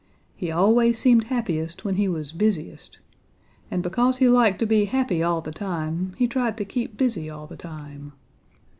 He always seemed happiest when he was busiest, and because he liked to be happy all the time, he tried to keep busy all the time.